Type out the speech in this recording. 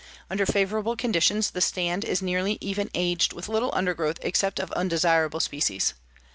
Under favorable conditions the stand is nearly even aged, with little undergrowth except of undesirable species.